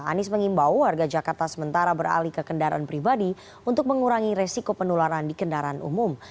anies mengimbau warga jakarta sementara beralih ke kendaraan pribadi untuk mengurangi resiko penularan di kendaraan umum